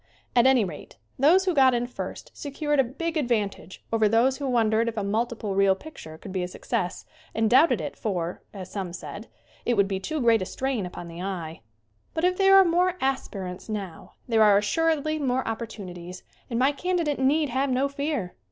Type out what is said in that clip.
At any rate those who got in first secured a big advantage over those who wondered if a multiple reel picture could be a success and doubted it for, as some said, "It would be too great a strain upon the eye." But if there are more aspirants now there are assuredly more opportunities and my can didate need have no fear.